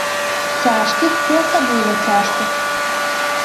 Цяжкіх і асабліва цяжкіх.